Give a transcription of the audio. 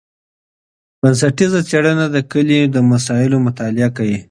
بنسټیزه څېړنه د کلي مسایلو مطالعه کوي.